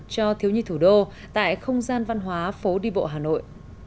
cho thiếu nhi thủ đô tại không gian văn hóa phố đi bộ hà nội